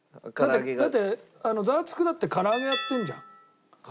だって『ザワつく！』だってから揚げやってるじゃん。